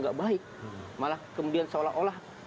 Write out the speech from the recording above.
gak baik malah kemudian seolah olah